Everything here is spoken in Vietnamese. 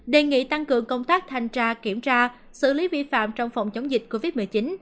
đề nghị tăng cường công tác thanh tra kiểm tra xử lý vi phạm trong phòng chống dịch covid một mươi chín